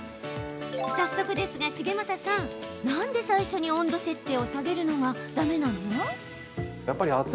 早速ですが重政さんなんで最初に温度設定を下げるのがだめなの？